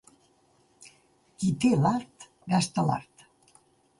Qui té l'art, gasta l'art.